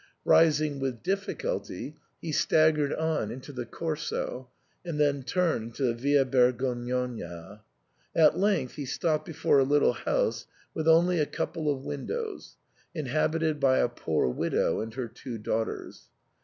Rising with difficulty, he staggered on into the Corso,* and then turned into the Via Bergognona. At length he stopped before a little house with only a couple of windows, inhabited by a poor widow and her two daughters.